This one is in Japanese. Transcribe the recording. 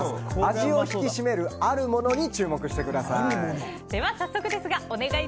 味を引き締めるあるものに注目してください。